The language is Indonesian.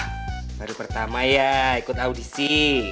baru pertama ya ikut audisi